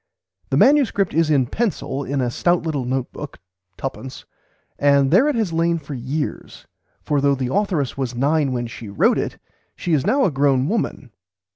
The manuscript is in pencil in a stout little note book (twopence), and there it has lain for years, for though the authoress was nine when she wrote it she is now a grown woman.